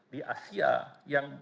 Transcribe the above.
di asia yang